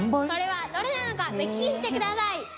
それはどれなのか目利きしてください。